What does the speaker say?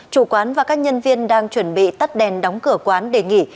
chủ quán và các nhân viên đang chuẩn bị tắt đèn đóng cửa quán để nghỉ